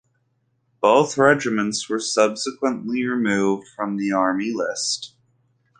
Both regiments were subsequently removed from the army list.